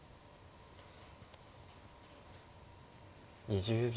２０秒。